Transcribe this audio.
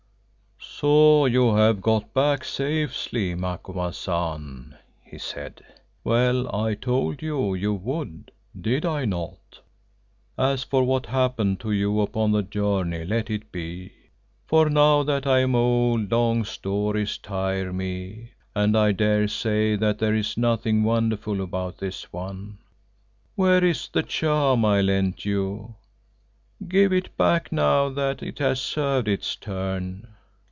"So you have got back safely, Macumazahn," he said. "Well, I told you you would, did I not? As for what happened to you upon the journey, let it be, for now that I am old long stories tire me and I daresay that there is nothing wonderful about this one. Where is the charm I lent you? Give it back now that it has served its turn."